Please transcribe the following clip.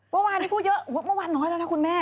เมื่อวานนี้พูดเยอะเมื่อวานน้อยแล้วนะคุณแม่